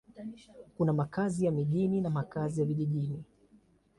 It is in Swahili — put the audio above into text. Kuna makazi ya mjini na makazi ya vijijini.